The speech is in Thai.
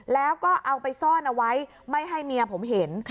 แล้วก็เอาไปซ่อนเอาไว้ไม่ให้เมียผมเห็น